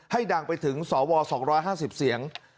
ดังไปถึงสว๒๕๐เสียง